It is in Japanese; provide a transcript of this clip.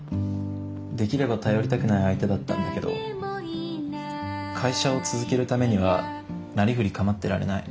できれば頼りたくない相手だったんだけど会社を続けるためにはなりふり構ってられない。